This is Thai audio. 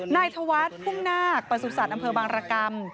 นายธวรรษภุ่งนาคประสูจน์สัตว์อำเภอบังรกรรม